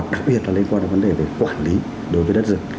đặc biệt là liên quan đến vấn đề về quản lý đối với đất rừng